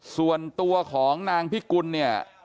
ส่วนตัวของนางพิกุลเนี่ย